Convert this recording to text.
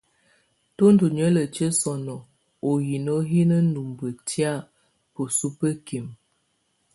Tù ndù niǝlǝtiǝ́ sɔnɔ ú hino hi ninumbǝ tɛ̀á bǝsuǝ bǝkimǝ.